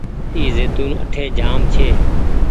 اي زيتونٚ اٺي جآم ڇي۔